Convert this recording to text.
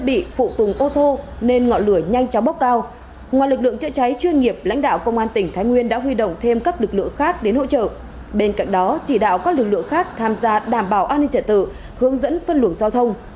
bên cạnh đó chỉ đạo các lực lượng khác tham gia đảm bảo an ninh trả tự hướng dẫn phân luận giao thông